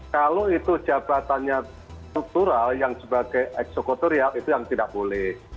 kalau itu jabatannya struktural yang sebagai eksekutorial itu yang tidak boleh